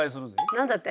何だって？